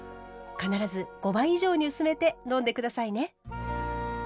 必ず５倍以上に薄めて飲んで下さいね。